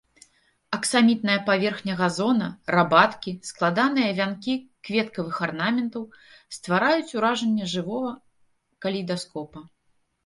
Аксамітная паверхня газона, рабаткі, складаныя вянкі кветкавых арнаментаў ствараюць уражанне жывога калейдаскопа.